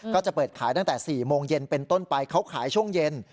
ก็จะเปิดขายตั้งแต่๔โมงเย็นเป็นต้นไปเขาขายช่วงเย็น